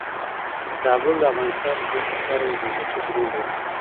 کابل د افغانستان د ټولنې لپاره یو بنسټيز رول لري.